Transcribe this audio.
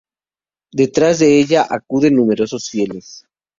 Detrás de ella acuden numerosos fieles.